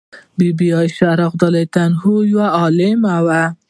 بی بي عایشه یوه عالمه وه.